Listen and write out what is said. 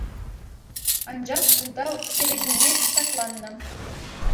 Анчах ултав серепине ҫакланнӑ.